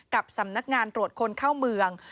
กับสำนักงานตรวจคนเข้าเมือง